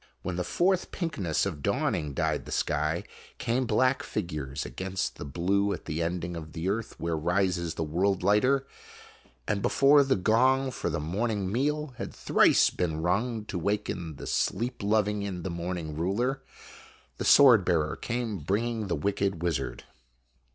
When the fourth pinkness of dawning dyed the sky, came black fig ures against the blue at the ending of the earth where rises the world lighter, and before the gong for the morning meal had thrice PREHISTORIC PHOTOGRAPHY 3 been rung to waken the sleep loving in the morning ruler, the sword bearer came bringing the wicked wizard.